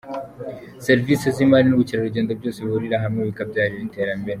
Serivisi z’imari n’ubukerarugendo byose bihurira hamwe bikabyara iri terambere.